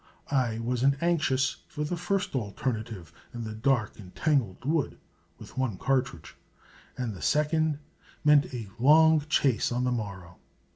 I wasn't anxious for the first alternative in the dark and tangled wood, with one cartridge; and the second meant a long chase on the morrow.